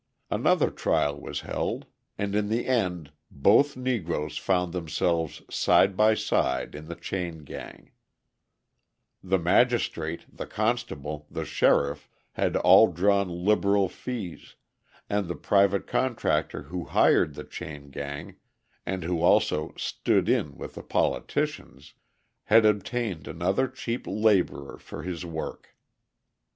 Another trial was held; and in the end both Negroes found themselves side by side in the chain gang; the magistrate, the constable, the sheriff, had all drawn liberal fees, and the private contractor who hired the chain gang, and who also "stood in" with the politicians, had obtained another cheap labourer for his work.